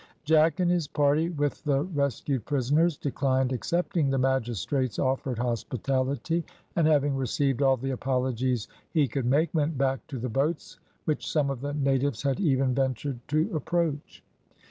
Jack and his party, with the rescued prisoners, declined accepting the magistrate's offered hospitality, and having received all the apologies he could make, went back to the boats, which some of the natives had even ventured to approach.